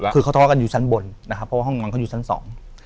คือเขาทะเลาะกันอยู่ชั้นบนนะครับเพราะว่าห้องนอนเขาอยู่ชั้นสอง